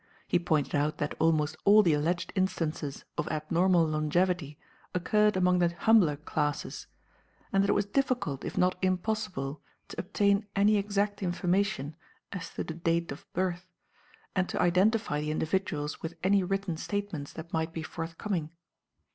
He pointed out that almost all the alleged instances of abnormal longevity occurred among the humbler classes, and that it was difficult, if not impossible, to obtain any exact information as to the date of birth, and to identify the individuals with any written statements that might be forthcoming.